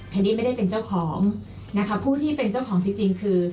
ดี้ไม่ได้เป็นเจ้าของนะคะผู้ที่เป็นเจ้าของจริงคือ